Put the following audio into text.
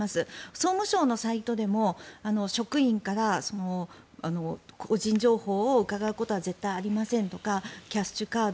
総務省のサイトでも職員から個人情報を伺うことは絶対ありませんとかキャッシュカード